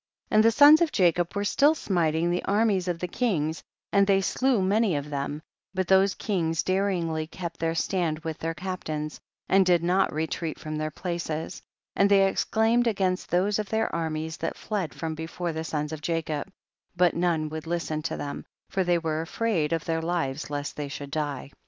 47. And the sons of Jacob were still smiting the armies of the kings, and they slew many of them, but those kings daringly kept their stand with their captains, and did not re treat from their places, and they ex claimed against tliose of their armies that fled from before the sons of Ja cob, but none would listen to them, for they were afraid of their lives lest they should die.